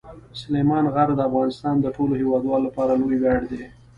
سلیمان غر د افغانستان د ټولو هیوادوالو لپاره لوی ویاړ دی.